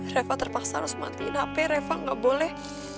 reva terpaksa harus matiin hp reva gak boleh